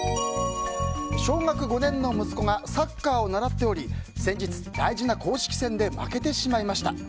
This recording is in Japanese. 小学５年の息子がサッカーを習っており先日、大事な公式戦で負けてしまいました。